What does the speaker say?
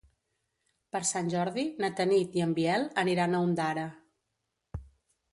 Per Sant Jordi na Tanit i en Biel aniran a Ondara.